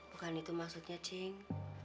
bukan itu maksudnya cing